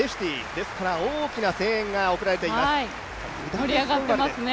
ですから大きな声援が送られています。